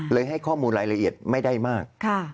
ให้ข้อมูลรายละเอียดไม่ได้มาก